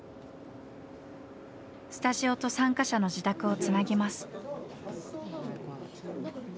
スタジオと参加者の自宅をつなぎます。